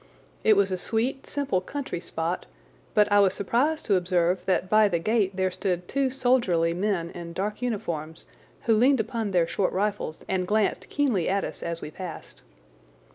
It was a sweet, simple country spot, but I was surprised to observe that by the gate there stood two soldierly men in dark uniforms who leaned upon their short rifles and glanced keenly at us as we passed.